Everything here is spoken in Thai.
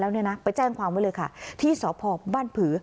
แล้วเนี่ยนะไปแจ้งความไว้เลยค่ะที่สพบ้านผือ